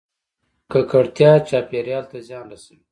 ککړتیا چاپیریال ته زیان رسوي